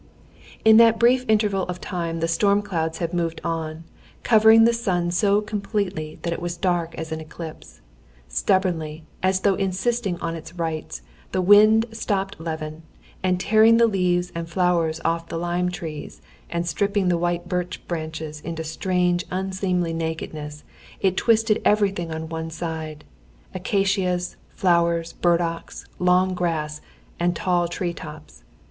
In that brief interval of time the storm clouds had moved on, covering the sun so completely that it was dark as an eclipse. Stubbornly, as though insisting on its rights, the wind stopped Levin, and tearing the leaves and flowers off the lime trees and stripping the white birch branches into strange unseemly nakedness, it twisted everything on one side—acacias, flowers, burdocks, long grass, and tall tree tops.